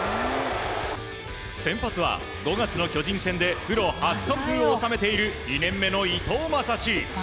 先発は５月の巨人戦でプロ初完封を仕留めている２年目の伊藤将司。